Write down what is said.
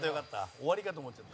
終わりかと思っちゃった。